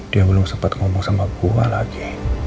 dia belum sempet ngomong sama gue lagi